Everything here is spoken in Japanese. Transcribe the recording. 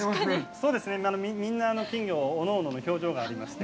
そうですね、みんな金魚おのおのの表情がありまして、